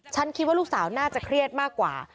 คิดว่าลูกสาวน่าจะเครียดมากกว่า